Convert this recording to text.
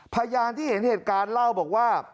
พยานที่เห็นเหตุการณ์เล่าบอกว่า